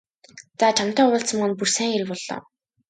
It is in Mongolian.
За чамтай уулзсан маань бүр сайн хэрэг боллоо.